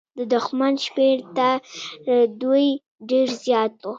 د دښمن شمېر تر دوی ډېر زيات و.